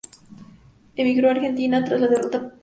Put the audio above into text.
Emigró a Argentina tras la derrota patriota.